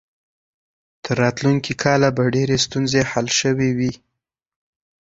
تر راتلونکي کاله به ډېرې ستونزې حل شوې وي.